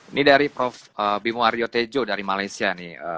ini dari prof bimo aryo tejo dari malaysia nih